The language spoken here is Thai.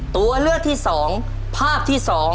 ตัวเลือกที่๒ภาพที่๒